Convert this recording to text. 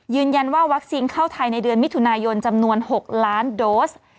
วัคซีนเข้าไทยในเดือนมิถุนายนจำนวน๖ล้านโดส